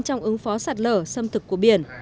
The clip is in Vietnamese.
trong ứng phó sạt lở xâm thực của biển